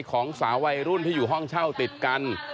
ของสาววัยรุ่นที่อยู่ห้องเช่าติดกัน